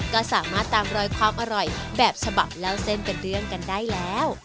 ก็สามารถตามรอยความอร่อยแบบฉบับเล่าเส้นเป็นเรื่องกันได้แล้ว